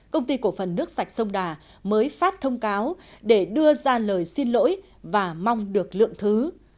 công ty cổ phần nước sạch sông đà mới phát thông cáo để đưa ra lời xin lỗi và mong được lượng thứ